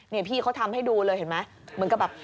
เนี่ยพี่เขาทำให้ดูเลยเห็นมั้ยมันก็แบบ